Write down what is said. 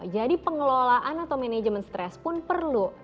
jadi pengelolaan atau manajemen stress pun perlu